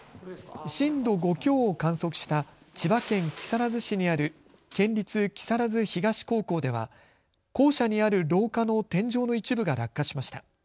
震度５強を観測した千葉県木更津市にある県立木更津東高校では校舎にある廊下の天井の一部が落下しました。